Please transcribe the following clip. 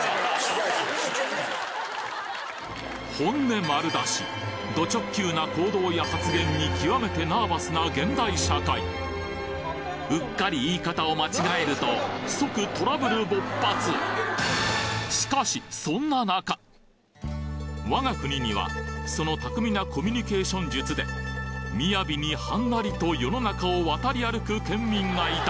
本音丸出しど直球な行動や発言に極めてナーバスな現代社会うっかり言い方を間違えると即そんな中我が国にはその巧みなコミュニケーション術で雅にはんなりと世の中を渡り歩く県民がいた。